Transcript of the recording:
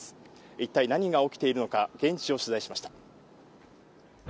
一体何が起きているのか、現地を取材しました。